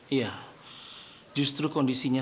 iya justru kondisinya